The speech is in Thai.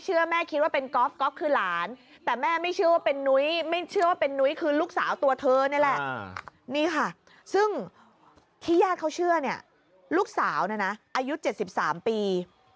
ซึ่งที่ญาติเขาเชื่อเนี่ยลูกสาวนะนะอายุ๗๓ปี